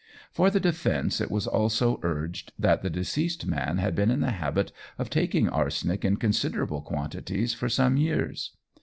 For the defence it was also urged that the deceased man had been in the habit of taking arsenic in considerable quantities for some years.